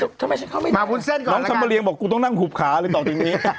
แขมมายแรงบอกกูต้องนั่งขุบขาเลยต่อจุดนี้